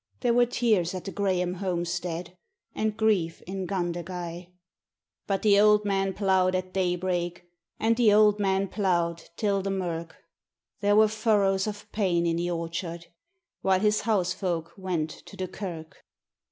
There were tears at the Grahame homestead and grief in Gundagai; But the old man ploughed at daybreak and the old man ploughed till the mirk There were furrows of pain in the orchard while his housefolk went to the kirk.